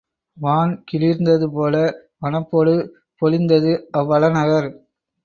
வான் கிளிர்ந்ததுபோல வனப்பொடு பொலிந்தது அவ் வளநகர்.